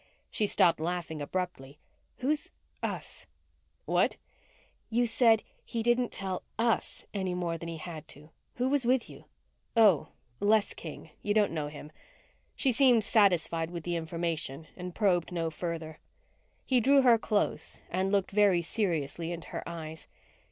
She stopped laughing abruptly. "Who's us?" "What?" "You said, 'He didn't tell us any more than he had to ...' Who was with you?" "Oh. Les King. You don't know him." She seemed satisfied with the information and probed no farther. He drew her close and looked very seriously into her eyes.